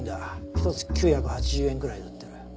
一つ９８０円ぐらいで売ってる。